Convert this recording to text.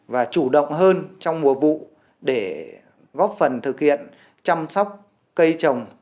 và chủ động hơn trong mùa vụ để góp phần thực hiện chăm sóc cây trồng